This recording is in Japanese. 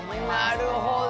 なるほど。